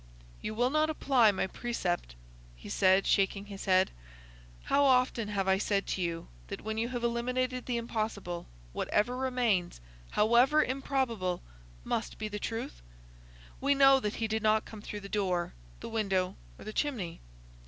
"You will not apply my precept," he said, shaking his head. "How often have I said to you that when you have eliminated the impossible whatever remains, however improbable, must be the truth? We know that he did not come through the door, the window, or the chimney.